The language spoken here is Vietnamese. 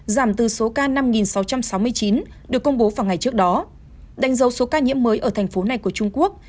giảm từ số ca năm sáu trăm sáu mươi chín được công bố vào ngày trước đó đánh dấu số ca nhiễm mới ở thành phố này của trung quốc